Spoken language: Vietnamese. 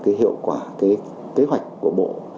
cái hiệu quả cái kế hoạch của bộ